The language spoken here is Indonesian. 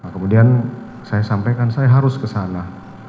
kemudian saya sampaikan saya harus kesana